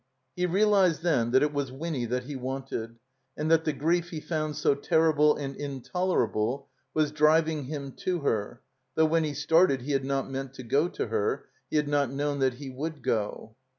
He realized then that is was Winny that he wanted, and that the grief he found so terrible and intoler able was driving him to her, though when he started he had not meant to go to her, he had not known that he would go.